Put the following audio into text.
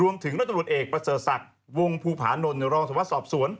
รวมถึงรเอกประเสริษักร์วงภูผานนลรองศาวะสอบสวน